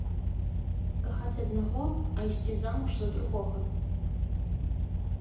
Кахаць аднаго, а ісці замуж за другога.